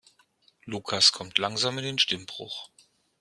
Lukas kommt langsam in den Stimmbruch.